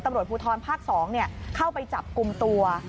ตำรวจภูทรภาค๒เข้าไปจับกลุ่มตัว